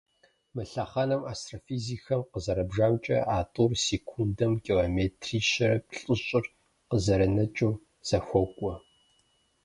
Мы лъэхъэнэм, астрофизикхэм къызэрабжамкIэ, а тIур секундэм километри щэрэ плIыщIыр къызэранэкIыу зэхуокIуэ.